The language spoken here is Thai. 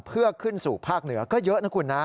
เพื่อขึ้นสู่ภาคเหนือก็เยอะนะคุณนะ